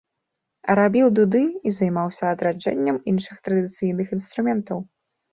Рабіў дуды і займаўся адраджэннем іншых традыцыйных інструментаў.